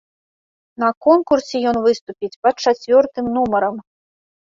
На конкурсе ён выступіць пад чацвёртым нумарам.